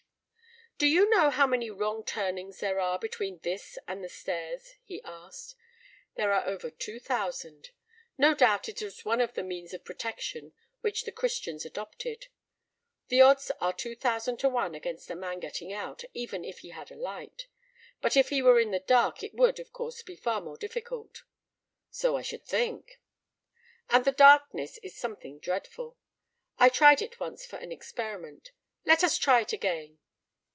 "Do you know how many wrong turnings there are between this and the stairs?" he asked. "There are over two thousand. No doubt it was one of the means of protection which the Christians adopted. The odds are two thousand to one against a man getting out, even if he had a light; but if he were in the dark it would, of course, be far more difficult." "So I should think." "And the darkness is something dreadful. I tried it once for an experiment. Let us try it again!"